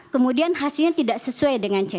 kemudian hasilnya tidak sesuai dengan c